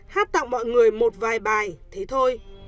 hát tặng mọi người một vài bài thế thôi